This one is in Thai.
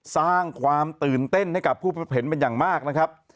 สร้างความตื่นเต้นให้กับผู้พบเห็นเป็นอย่างมากนะครับ